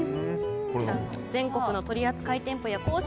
全国の取り扱い店舗や公式